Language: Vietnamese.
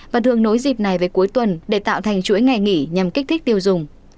và thường nối dịp này về cuối tuần để tạo thành chuỗi ngày nghỉ nhằm kích thích tiêu dùng